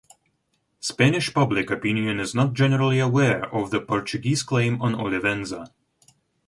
Spanish public opinion is not generally aware of the Portuguese claim on Olivenza.